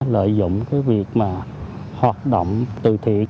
lợi dụng việc hoạt động từ thiệt